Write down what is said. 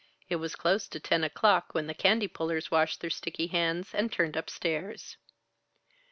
It was close to ten o'clock when the candy pullers washed their sticky hands and turned upstairs.